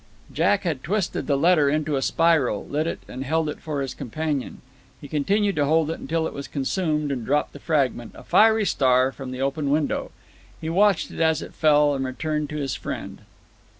Jack had twisted the letter into a spiral, lit it, and held it for his companion. He continued to hold it until it was consumed, and dropped the fragment a fiery star from the open window. He watched it as it fell, and then returned to his friend.